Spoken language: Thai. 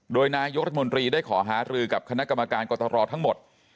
โดยนายกรัฐมนตรีได้ขอหารือกับคณะกรรมการกตรทั้งหมด